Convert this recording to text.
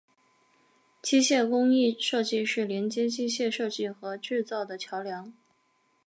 机械工艺设计是连接机械设计和制造的桥梁。